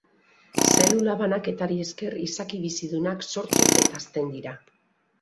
Zelula banaketari esker izaki bizidunak sortu eta hazten dira.